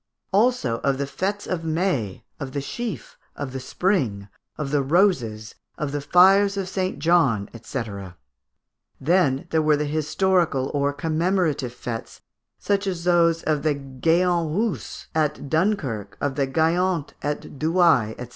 Also of the fêtes of May, of the sheaf, of the spring, of the roses, of the fires of St. John, &c. Then there were the historical or commemorative fêtes, such as those of the Géant Reuss at Dunkerque, of the Gayant at Douai, &c.